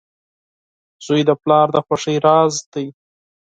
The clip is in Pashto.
• زوی د پلار د خوښۍ راز وي.